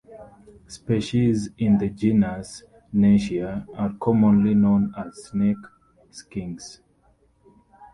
Species in the genus "Nessia" are commonly known as snake skinks.